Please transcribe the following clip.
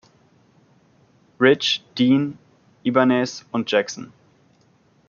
Rich, Dean, Ibanez und Jackson.